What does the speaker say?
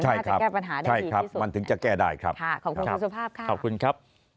น่าจะแก้ปัญหาได้ใช่ครับมันถึงจะแก้ได้ครับค่ะขอบคุณคุณสุภาพค่ะขอบคุณครับ